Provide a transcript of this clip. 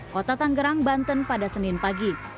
kota tanggerang banten pada senin pagi